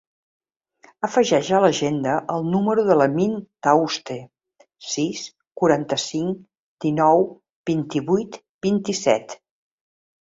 Afegeix a l'agenda el número de l'Amin Tauste: sis, quaranta-cinc, dinou, vint-i-vuit, vint-i-set.